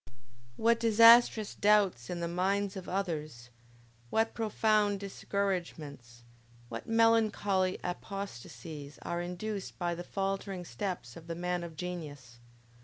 What disastrous doubts in the minds of others, what profound discouragements, what melancholy apostasies are induced by the faltering steps of the man of genius!